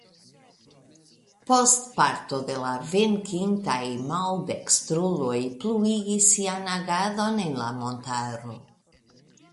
Poste parto de la venkitaj maldekstruloj pluigis sian agadon en la montaro.